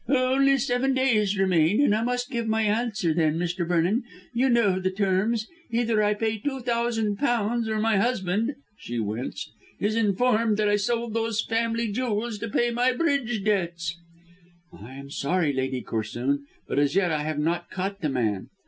"Only seven days remain and I must give my answer then, Mr. Vernon. You know the terms: either I pay two thousand pounds or my husband," she winced, "is informed that I sold those family jewels to pay my Bridge debts." "I am sorry, Lady Corsoon, but as yet I have not caught the man."